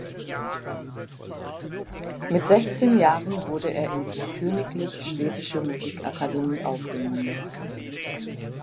Mit sechzehn Jahren wurde er in die Königlich Schwedische Musikakademie aufgenommen.